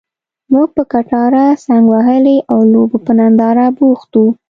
موږ پر کټاره څنګ وهلي او لوبو په ننداره بوخت وو.